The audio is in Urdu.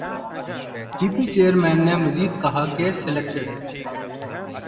پی پی چیئرمین نے مزید کہا کہ سلیکٹڈ